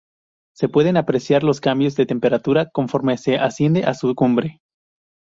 Se pueden apreciar los cambios de temperatura conforme se asciende a su cumbre.